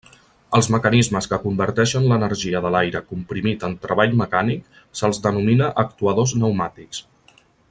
Als mecanismes que converteixen l'energia de l'aire comprimit en treball mecànic se'ls denomina actuadors pneumàtics.